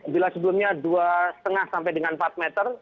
bila sebelumnya dua lima sampai dengan empat meter